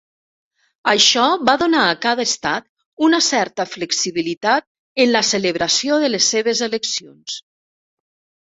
Això va donar a cada estat una certa flexibilitat en la celebració de les seves eleccions.